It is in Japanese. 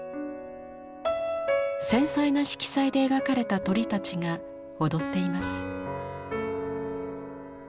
繊細な色彩で描かれた鳥たちが踊っています。